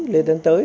lê tân tới